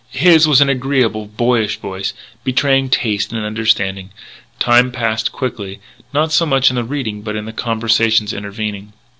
His was an agreeable, boyish voice, betraying taste and understanding. Time passed quickly not so much in the reading but in the conversations intervening.